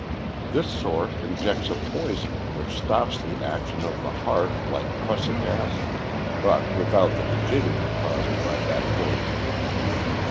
This sort injects a poison which stops the action of the heart like prussic acid, but without the rigidity caused by that poison.